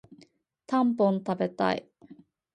たんぽん食べたい